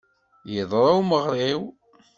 Iḍṛa umeɣṛiw.